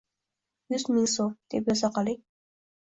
Yuz ming so`m, deb yoza qoling